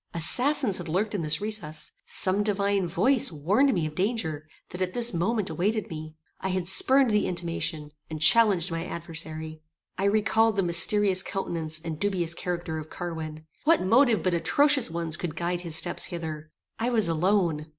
Assassins had lurked in this recess. Some divine voice warned me of danger, that at this moment awaited me. I had spurned the intimation, and challenged my adversary. I recalled the mysterious countenance and dubious character of Carwin. What motive but atrocious ones could guide his steps hither? I was alone.